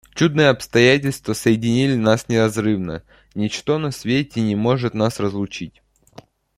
Чудные обстоятельства соединили нас неразрывно: ничто на свете не может нас разлучить».